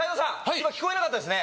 今聞こえなかったですね